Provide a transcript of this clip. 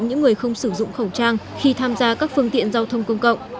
những người không sử dụng khẩu trang khi tham gia các phương tiện giao thông công cộng